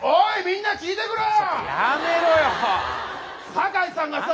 酒井さんがさ